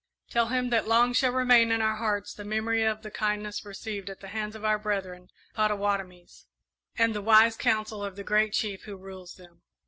"Tell him that long shall remain in our hearts the memory of the kindness received at the hands of our brethren the Pottawattomies, and the wise counsel of the Great Chief who rules them.